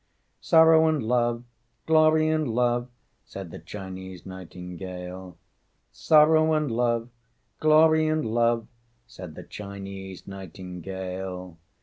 "Sorrow and love, glory and love," Said the Chinese nightingale. "Sorrow and love, glory and love," Said the Chinese nightingale.